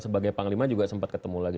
sebagai panglima juga sempat ketemu lagi